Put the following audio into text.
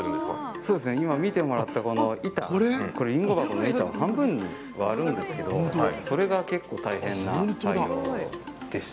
そうですね今、見てもらったこの板りんご箱の板を半分に割るんですけどそれが結構、大変な作業でした。